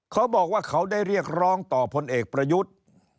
เขาบอกว่าเขาได้เรียกร้องต่อพลเอกประยุทธ์